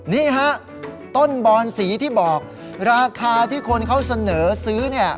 นี่ฮะต้นบอนสีที่บอกราคาที่คนเขาเสนอซื้อเนี่ย